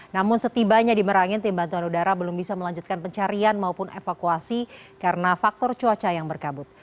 namun setibanya di merangin tim bantuan udara belum bisa melanjutkan pencarian maupun evakuasi karena faktor cuaca yang berkabut